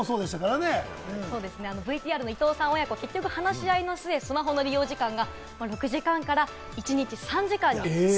ＶＴＲの伊藤さん親子、結局話し合いの末、スマホの利用時間が６時間から一日３時間に。